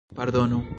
Pardonu!